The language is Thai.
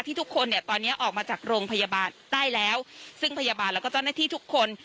ทุกคนเนี่ยตอนนี้ออกมาจากโรงพยาบาลได้แล้วซึ่งพยาบาลแล้วก็เจ้าหน้าที่ทุกคน